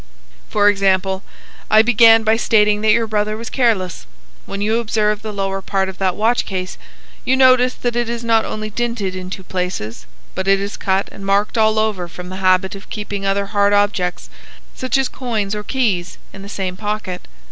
For example, I began by stating that your brother was careless. When you observe the lower part of that watch case you notice that it is not only dinted in two places, but it is cut and marked all over from the habit of keeping other hard objects, such as coins or keys, in the same pocket.